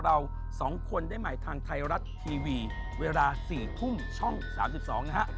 เรา๒คนได้ใหม่ทางไทยรัฐทีวีเวลา๔ทุ่มช่อง๓๒นะฮะ